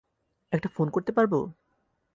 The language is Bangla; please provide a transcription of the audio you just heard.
একটা ফোন করতে পারব?